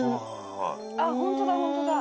あっホントだホントだ！